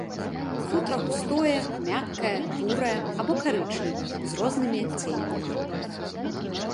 Футра густое, мяккае, бурае або карычневае з рознымі адценнямі.